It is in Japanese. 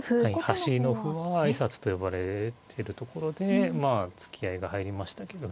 はい端の歩は挨拶と呼ばれてるところでまあ突き合いが入りましたけどね。